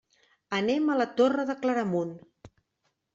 Anem a la Torre de Claramunt.